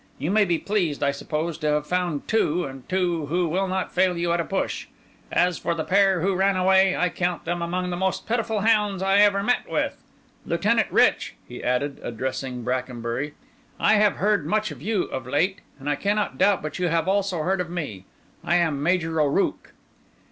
You may be pleased, I suppose, to have found two, and two who will not fail you at a push. As for the pair who ran away, I count them among the most pitiful hounds I ever met with. Lieutenant Rich," he added, addressing Brackenbury, "I have heard much of you of late; and I cannot doubt but you have also heard of me. I am Major O'Rooke."